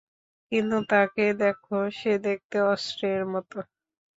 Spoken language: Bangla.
কিন্তু তাকে দেখ, সে দেখতে অস্ত্রের মতো।